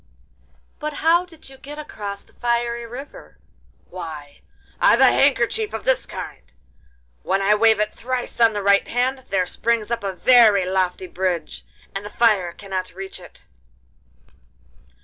'But how did you get across the fiery river?' 'Why, I've a handkerchief of this kind—when I wave it thrice on the right hand, there springs up a very lofty bridge, and the fire cannot reach it.